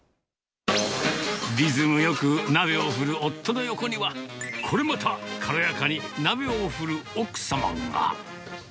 リズムよく鍋を振る夫の横には、これまた軽やかに鍋を振る奥様が。